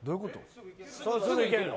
すぐいけるの。